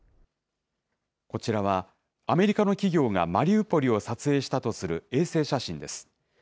こちらは、アメリカの企業がマリウポリを撮影したとする衛星写真です。